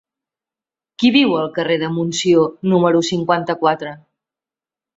Qui viu al carrer de Montsió número cinquanta-quatre?